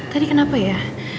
tadi kenapa ya